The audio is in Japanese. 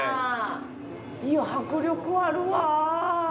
いや迫力あるわー！